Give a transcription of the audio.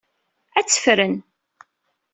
Ad tt-ffren.